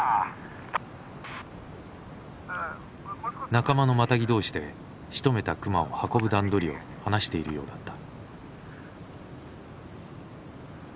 仲間のマタギ同士でしとめた熊を運ぶ段取りを話しているようだった。